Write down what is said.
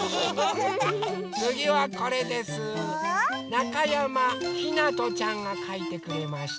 なかやまひなとちゃんがかいてくれました。